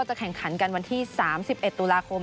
จะแข่งขันกันวันที่๓๑ตุลาคม